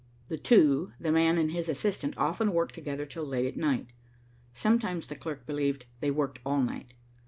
The two, the man and his assistant, often worked together till late at night. Sometimes, the clerk believed, they worked all night.